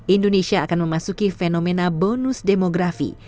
indonesia akan memasuki fenomena bonus demografi